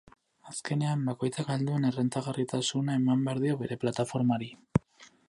Azkenean, bakoitzak ahal duen errentagarritasuna eman behar dio bere plataformari.